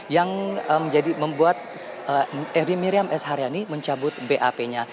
yang jadi membuat miriam s haryani mencabut bap nya